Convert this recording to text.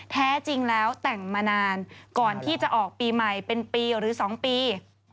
แท้จริงแล้วแต่งมานานก่อนที่จะออกปีใหม่เป็นปีหรือ๒ปี